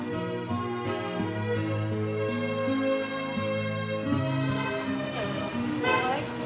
gak ada apa apa